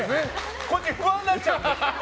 こっち、不安になっちゃうから。